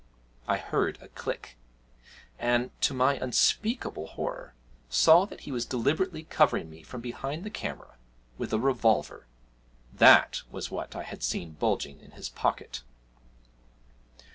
I heard a click, and, to my unspeakable horror, saw that he was deliberately covering me from behind the camera with a revolver that was what I had seen bulging inside his pocket.